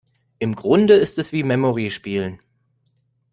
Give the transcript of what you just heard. Im Grunde ist es wie Memory spielen.